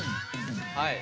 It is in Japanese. はい。